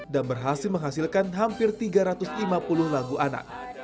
dan berhasil menghasilkan hampir tiga ratus lima puluh lagu anak